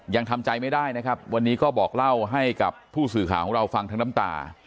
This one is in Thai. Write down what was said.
ยังทำใจไม่ได้นะครับวันนี้ก็บอกเล่าให้กับผู้สื่อข่าวของเราฟังทั้งน้ำตา